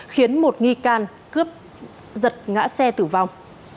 khiến một nghi can cướp giật ngã xe tử vong